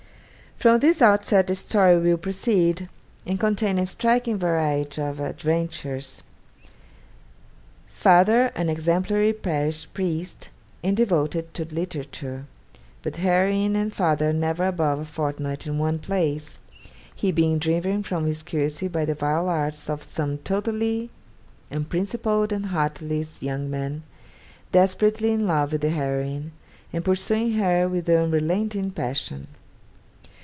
. From this outset the story will proceed, and contain a striking variety of adventures. Father an exemplary parish priest, and devoted to literature; but heroine and father never above a fortnight in one place: he being driven from his curacy by the vile arts of some totally unprincipled and heartless young man, desperately in love with the heroine, and pursuing her with unrelenting passion.